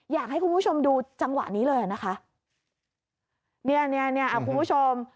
อยากให้คุณผู้ชมดูจังหวะนี้เลยอ่ะนะคะเนี่ยเนี่ยคุณผู้ชม